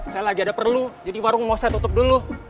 saya lagi ada perlu jadi warung mau saya tutup dulu